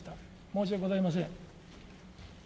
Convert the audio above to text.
申し訳ございません。